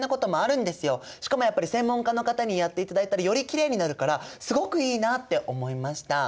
しかもやっぱり専門家の方にやっていただいたらよりキレイになるからすごくいいなって思いました。